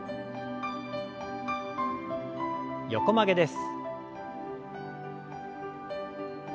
横曲げです。